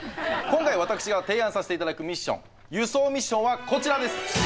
今回私が提案させて頂くミッション輸送ミッションはこちらです。